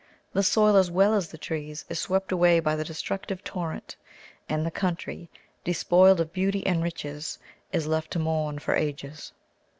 The soil, as well as the trees, is swept away by the destructive torrent; and the country, despoiled of beauty and riches, is left to mourn for ages.